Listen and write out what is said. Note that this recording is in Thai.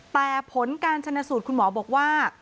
แต่ผลการชนะสูตรคุณหมอบอกว่า